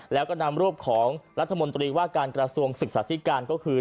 แล้วก็นำรูปของรัฐมนตรีว่าการกระทรวงศึกษาธิการก็คือ